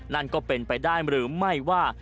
นั่นก็เป็นไปได้หรือไม่ว่า